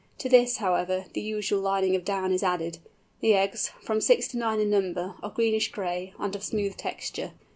To this, however, the usual lining of down is added. The eggs, from six to nine in number, are greenish gray, and of smooth texture.